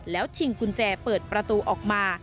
แล้วชิงกุญแจเปิดประตูออกมา